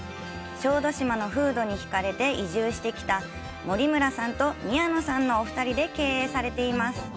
小豆島の風土に引かれて移住してきた森村さんと宮野さんのお二人で経営されています。